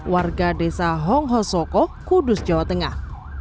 warga desa honghosoko kudus jawa tengah